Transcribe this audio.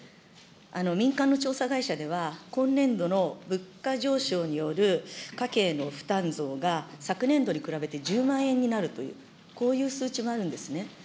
民間の調査会社では、今年度の物価上昇による家計の負担増が昨年度に比べて１０万円になるという、こういう数値もあるんですね。